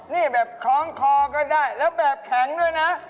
นี่แบบคล้องคอก็ได้แล้วแบบแข็งด้วยนะ